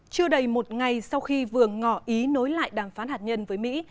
chưa đầy một ngày sau khi vừa ngỏ ý nối lại đàm phán hạt nhân với mỹ